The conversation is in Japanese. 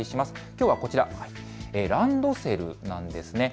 きょうはこちら、ランドセルなんです。